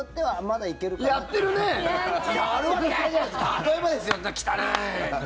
例えばですよ、汚い。